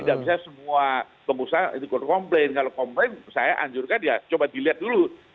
internalnya asalnya memang ada masalah nggak gitu